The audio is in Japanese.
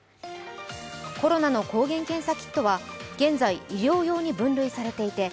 コロナの抗原検査キットは現在、医療用に分類されていて